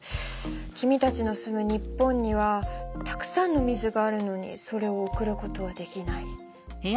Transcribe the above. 君たちの住む日本にはたくさんの水があるのにそれを送ることはできない。